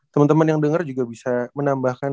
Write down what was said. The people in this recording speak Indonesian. temen temen yang denger juga bisa menambahkan